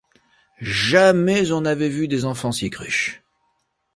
Jamais on n’avait vu des enfants si cruches.